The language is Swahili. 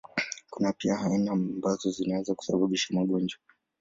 Kuna pia aina ambazo zinaweza kusababisha magonjwa.